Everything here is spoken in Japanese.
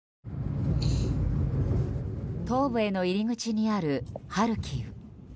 東部への入り口にあるハルキウ。